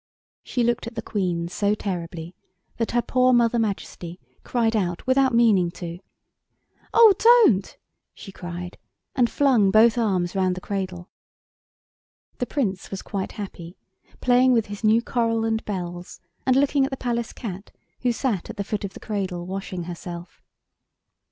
She looked at the Queen so terribly that her poor Mother Majesty cried out without meaning to. "Oh don't!" she cried, and flung both arms round the cradle. The Prince was quite happy, playing with his new coral and bells, and looking at the Palace cat, who sat at the foot of the cradle washing herself.